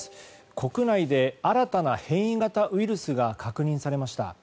国内で新たな変異型ウイルスが確認されました。